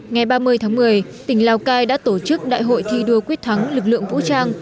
ngày ba mươi tháng một mươi tỉnh lào cai đã tổ chức đại hội thi đua quyết thắng lực lượng vũ trang